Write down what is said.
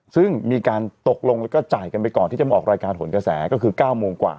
ซึ่งมีการตกลงแล้วก็จ่ายกันไปก่อนที่จะมาออกรายการหนกระแสก็คือ๙โมงกว่า